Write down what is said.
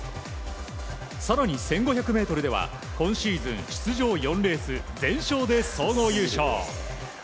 更に１５００ｍでは今シーズン出場４レース全勝で総合優勝。